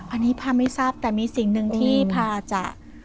อันนี้พาไม่ทราบแต่มีสิ่งหนึ่งที่พาจะ